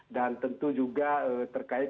dan tentu juga terkait